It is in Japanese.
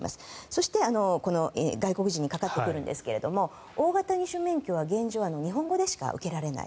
そして外国人にかかってくるんですが大型二種免許は現状、日本語でしか受けられない。